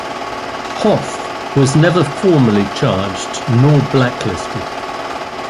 Hoff was never formally charged, nor blacklisted.